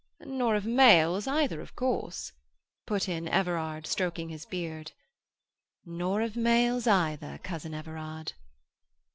"Nor of males either, of course," put in Everard, stroking his beard. "Nor of males either, cousin Everard."